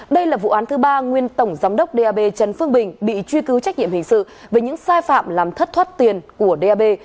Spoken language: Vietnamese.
đây là vụ án thứ ba nguyên tổng giám đốc đ a b trần phương bình bị truy cứu trách nhiệm hình sự về những sai phạm làm thất thoát tiền của đ a b